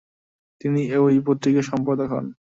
তিনি ওই পত্রিকার সম্পাদক হন।